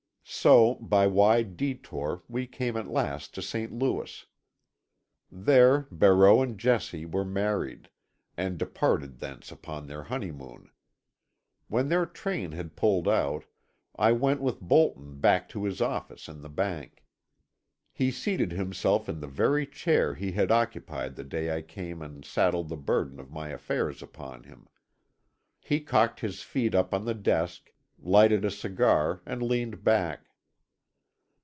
So, by wide detour, we came at last to St. Louis. There Barreau and Jessie were married, and departed thence upon their honeymoon. When their train had pulled out, I went with Bolton back to his office in the bank. He seated himself in the very chair he had occupied the day I came and saddled the burden of my affairs upon him. He cocked his feet up on the desk, lighted a cigar and leaned back.